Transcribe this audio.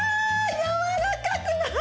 やわらかくない？